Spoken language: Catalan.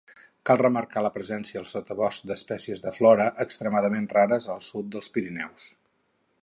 Cal remarcar la presència al sotabosc d'espècies de flora extremadament rares al sud dels Pirineus.